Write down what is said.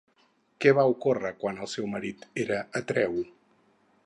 Què va ocórrer quan el seu marit era Atreu?